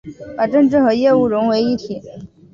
把政治和业务融为一体